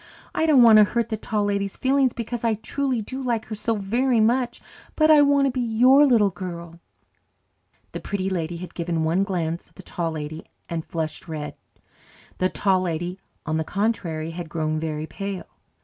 I don't want to hurt the Tall Lady's feelings because I truly do like her so very much. But I want to be your little girl." The Pretty Lady had given one glance at the Tall Lady and flushed red. The Tall Lady, on the contrary, had grown very pale.